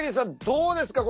どうですか？